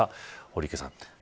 堀池さん。